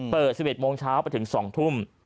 เปิด๑๑โมงเช้าไปถึง๒ทุ่ม